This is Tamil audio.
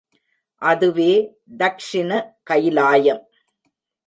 அதுவே தக்ஷிண கயிலாயம்.